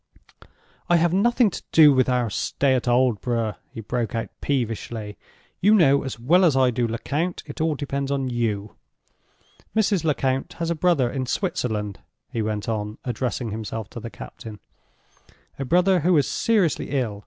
"I have nothing to do with our stay at Aldborough," he broke out, peevishly. "You know as well as I do, Lecount, it all depends on you. Mrs. Lecount has a brother in Switzerland," he went on, addressing himself to the captain—"a brother who is seriously ill.